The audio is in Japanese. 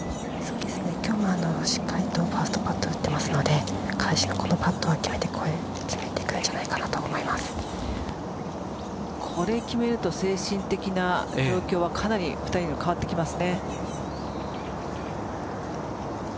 今日もしっかりとファーストパット打ってますので返しのこのパットは決めてくるんじゃないかなとこれ決めると精神的な状況はかなり２人変わってきます。